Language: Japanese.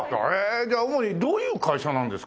じゃあ主にどういう会社なんですか？